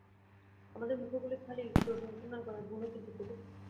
আমাদের মূর্খগুলো খালি দোষ অনুসন্ধান করে, গুণও কিঞ্চিৎ দেখুক।